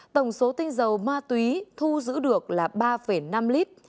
tổng số tinh dầu ma túy thu giữ được là ba năm lít